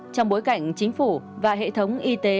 trong bối cảnh chính phủ và hệ thống y tế